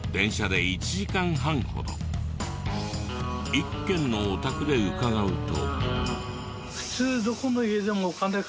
１軒のお宅で伺うと。